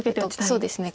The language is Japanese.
そうですね